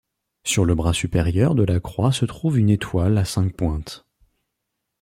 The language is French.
Sur le bras supérieur de la croix se trouve une étoile à cinq pointes.